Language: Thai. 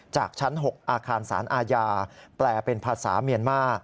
จากชั้น๖อาคารสารอาญาแปลเป็นภาษาเมียนมา